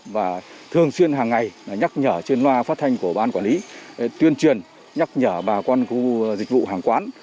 chuyên hàng ngày nhắc nhở trên loa phát thanh của ban quản lý tuyên truyền nhắc nhở bà con khu dịch vụ hàng quán